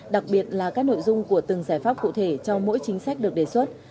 đặc biệt là các nội dung của từng giải pháp cụ thể cho mỗi chính sách được đề xuất